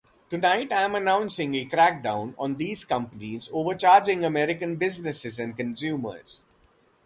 Tonight, I’m announcing a crackdown on these companies overcharging American businesses and consumers.